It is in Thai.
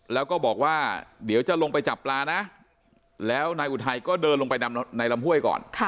แล้วก็บอกว่าเดี๋ยวจะลงไปจับปลานะแล้วนายอุทัยก็เดินลงไปในลำห้วยก่อน